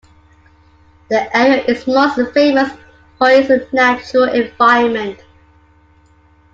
The area is most famous for its natural environment.